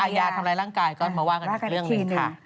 อาญานันตร์ทำร้ายร่างกายก็มาว่ากันเป็นเรื่องเลยค่ะ